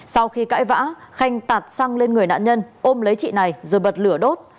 sau khi cãi vã khanh tạt xăng lên người nạn nhân ôm lấy chị này rồi bật lửa đốt